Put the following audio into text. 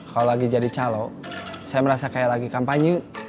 kalau lagi jadi calo saya merasa kayak lagi kampanye